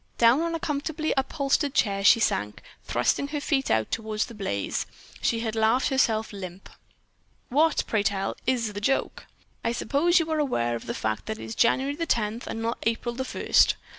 Down on a comfortably upholstered chair she sank, thrusting her feet out toward the blaze. She had laughed herself limp. "What, pray tell, is the joke? I suppose you are aware of the fact that this is January the tenth and not April the first?"